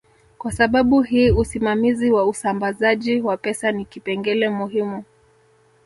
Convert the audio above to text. Kwa sababu hii usimamizi wa usambazaji wa pesa ni kipengele muhimu